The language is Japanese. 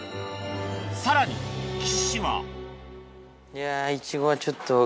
さらに岸はいや。